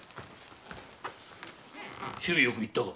首尾よくいったか？